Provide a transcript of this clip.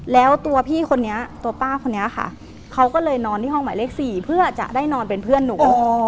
แล้วตัวพี่คนนี้ตัวป้าคนนี้ค่ะเขาก็เลยนอนที่ห้องหมายเลข๔เพื่อจะได้นอนเป็นเพื่อนหนูกับพ่อ